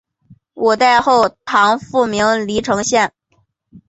五代后唐复名黎城县。